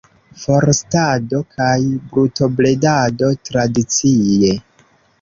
Forstado kaj brutobredado tradicie.